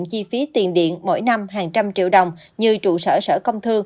tp hcm cũng đã tổ chức thí điểm chi phí tiền điện mỗi năm hàng trăm triệu đồng như trụ sở sở công thư